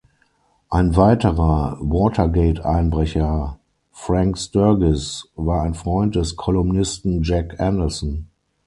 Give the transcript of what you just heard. Ein weiterer Watergate-Einbrecher Frank Sturgis war ein Freund des Kolumnisten Jack Anderson.